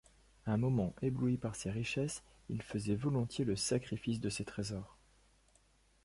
Un moment ébloui par ses richesses, il faisait volontiers le sacrifice de ses trésors!